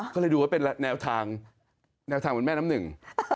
เขาเลยดูว่าเป็นแนวทางแม่น้ำหนึ่ง